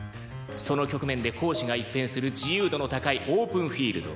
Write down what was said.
その局面で攻守が一変する自由度の高いオープンフィールド。